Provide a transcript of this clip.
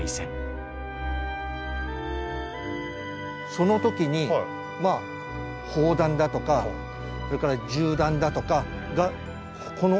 その時にまあ砲弾だとかそれから銃弾だとかがこの跡なんです。